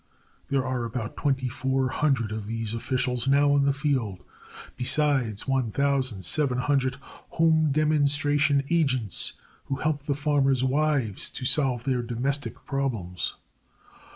There are about twenty four hundred of these officials now in the field, besides 1,700 "home demonstration agents," who help the farmers' wives to solve their domestic problems.